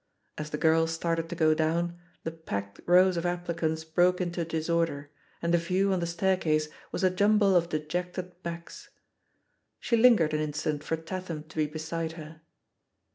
As the girl started to go down, the packed rows of applicants broke into disorder, and the view on the staircase was a jumble of dejected backs. She lingered an instant for Tatham to be beside her.